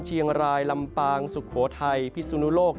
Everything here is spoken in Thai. เชียงรายลำปางสุโขทัยพิสุนุโลก